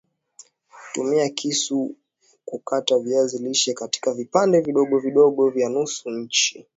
Tumia kisu kukata viazi lishe katika viapande vidogo vidogo vya nusu inchi